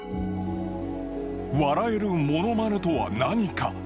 笑えるモノマネとは何か？